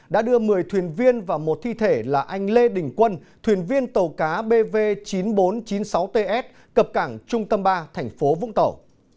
đã đưa một mươi thuyền viên và một thi thể là anh lê đình quân thuyền viên tàu cá bv chín nghìn bốn trăm chín mươi sáu ts cập cảng trung tâm ba thành phố vũng tàu